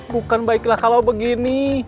bukan baiklah kalau begini